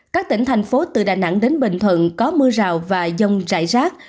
các tỉnh thành phố từ đà nẵng đến bình thuận có mưa rào và dông trải rác